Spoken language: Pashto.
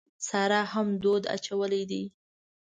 سارا هم دود اچولی دی.